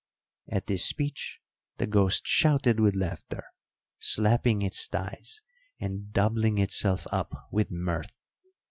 At this speech the ghost shouted with laughter, slapping its thighs, and doubling itself up with mirth.